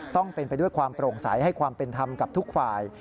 ต้องเป็นไปด้วยความโปร่งใสให้ความเป็นธรรมกับทุกฝ่าย